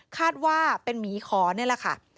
คาดว่าเป็นหมีขอนี่แหละค่ะ